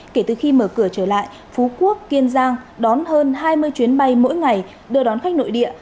kể từ khi mở cửa trở lại phú quốc kiên giang đón hơn hai mươi chuyến bay mỗi ngày đưa đón khách nội địa